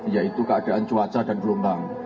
yaitu keadaan cuaca dan gelombang